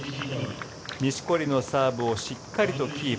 錦織のサーブをしっかりとキープ。